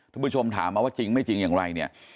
ผู้ชมถามมาว่าจริงไม่จริงอย่างไรเนี่ย